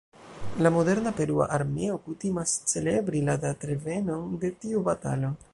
La moderna perua armeo kutimas celebri la datrevenon de tiu batalo.